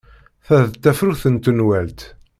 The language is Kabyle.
Ta d tafrut n tenwalt.